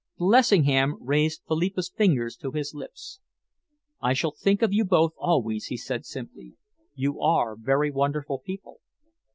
Lessingham raised Philippa's fingers to his lips. "I shall think of you both always," he said simply. "You are very wonderful people."